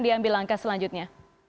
diambil langkah selanjutnya